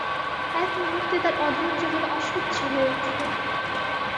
এক মুহূর্তে তার অধৈর্য যেন অসহ্য হয়ে উঠল।